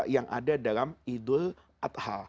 yang ada dalam idul adha